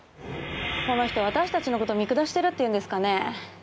この人私たちの事見下してるっていうんですかね